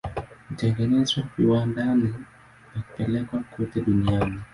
Hutengenezwa viwandani na kupelekwa kote duniani.